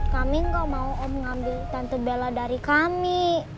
kami gak mau om ngambil tante bella dari kami